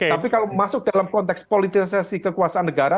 tapi kalau masuk dalam konteks politisasi kekuasaan negara